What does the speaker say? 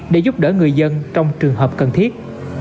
để giúp đỡ người dân trong trường hợp cần thiết